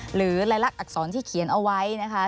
หรือลายลักษรที่เขียนเอาไว้นะคะ